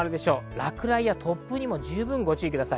落雷や突風にご注意ください。